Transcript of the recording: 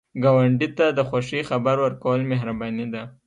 ګاونډي ته د خوښۍ خبر ورکول مهرباني ده